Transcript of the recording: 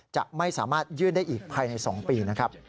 จะไม่สามารถยื่นได้อีกภายใน๒ปี